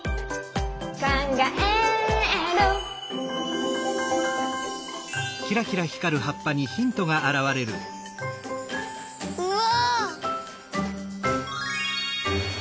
「かんがえる」うわ！